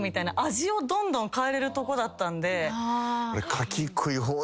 味をどんどん変えれるとこだったんで。